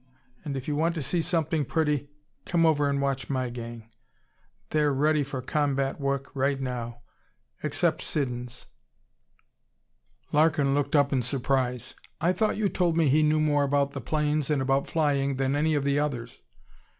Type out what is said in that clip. And if you want to see something pretty, come over and watch my gang. They're ready for combat work right now except Siddons." Larkin looked up in surprise. "I thought you told me he knew more about the planes and about flying than any of the others."